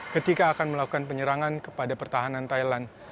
ketika akan melakukan penyerangan kepada pertahanan thailand